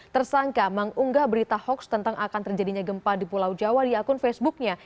tersangka mengunggah berita hoax tentang akan terjadinya gempa di pulau jawa di akun facebooknya